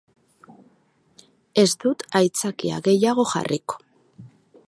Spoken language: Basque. Ez dut aitzakia gehiago jarriko.